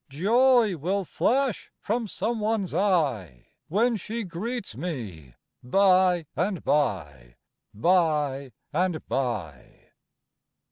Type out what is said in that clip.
Joy will flash from some one's eye When she greets me by and by by and by."